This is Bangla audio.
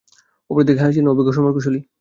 অপরদিকে খালিদ ছিলেন অভিজ্ঞ সমরকুশলী।